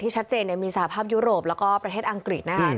ชัดเจนมีสหภาพยุโรปแล้วก็ประเทศอังกฤษนะครับ